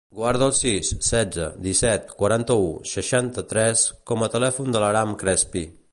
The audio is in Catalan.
Guarda el sis, setze, disset, quaranta-u, seixanta-tres com a telèfon de l'Aram Crespi.